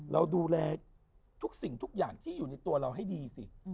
เราดูแลทุกสิ่งทุกอย่างที่อยู่ในตัวเราให้ดีสิ